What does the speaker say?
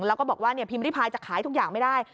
แล้วก็บอกว่าพิมพิพายจะขายทุกอย่างไม่ได้